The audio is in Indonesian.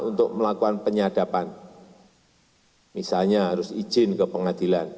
untuk melakukan penyadapan misalnya harus izin ke pengadilan